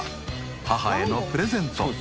母へのプレゼント］